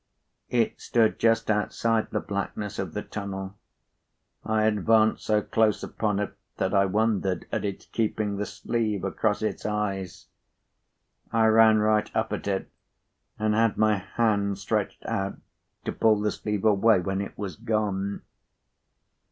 It stood just outside the blackness of the tunnel. I advanced so close upon it that I wondered at its keeping the sleeve across its eyes. I ran right up at it, and had my hand stretched out to pull the sleeve away, when it was gone."